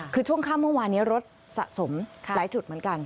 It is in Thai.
คือช่วงค่ำเมื่อวานนี้รถสะสมหลายจุดเหมือนกัน